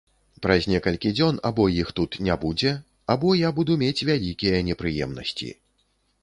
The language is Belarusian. Праз некалькі дзён або іх тут не будзе, або я буду мець вялікія непрыемнасці.